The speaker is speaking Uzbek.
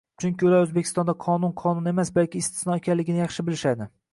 Chunki ular O'zbekistonda qonun qonun emas, balki istisno ekanligini yaxshi bilishadi